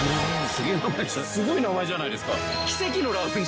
すごい名前じゃないですか。